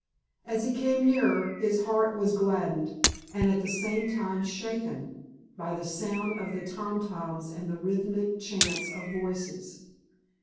As he came nearer, his heart was gladdened, and at the same time shaken, by the sound of the tom toms and the rhythmic chant of voices.